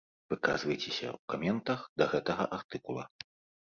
Выказвайцеся ў каментах да гэтага артыкула.